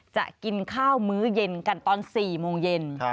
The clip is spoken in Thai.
จะกินข้าวมื้อเย็นกันตอน๑๖๐๐น